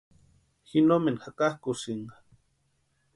Ji no nemani jakakʼukusïnka.